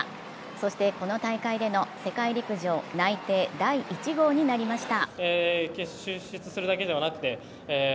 そしてこの大会での世界陸上内定第１号になりました。